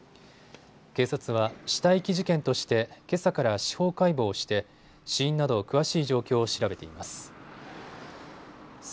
警察は死体遺棄事件としてけさから司法解剖をして死因など詳しい状況を調べています。